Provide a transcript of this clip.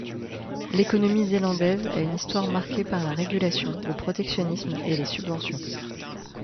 L'économie-zélandaise a une histoire marquée par la régulation, le protectionnisme et les subventions.